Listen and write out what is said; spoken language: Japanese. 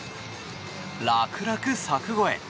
楽々、柵越え。